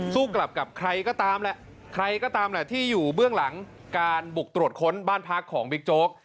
สู้กลับกับใครก็ตามแหละใครก็ตามแหละที่อยู่เบื้องหลังการบุกตรวจค้นบ้านพักของบิ๊กโจ๊ก